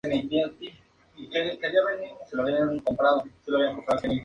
Los yaqui se levantan en defensa de su tierra y su autonomía.